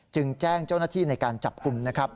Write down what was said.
แจ้งเจ้าหน้าที่ในการจับกลุ่มนะครับ